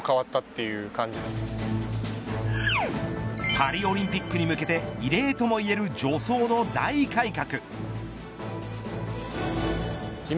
パリオリンピックに向けて異例ともいえる助走の大改革。